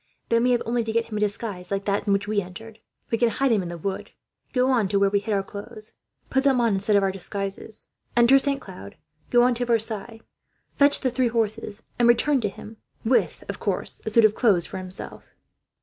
"Then we have only to get him a disguise like that in which we entered. We can hide him in the wood, go on to where we hid our clothes, put them on instead of our disguises, enter Saint Cloud, go on to Versailles, fetch the three horses, and return to him with, of course, a suit of clothes for himself."